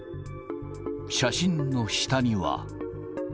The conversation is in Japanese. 写真の下には。